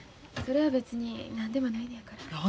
それは別に何でもないのやから。